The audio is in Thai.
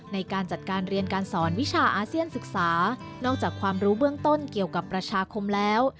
ในการจัดการเรียนการสอนวิชาอาเซียนศึกษานอกจากความรู้เบื้องต้นเกี่ยวกับประชาคมแล้ว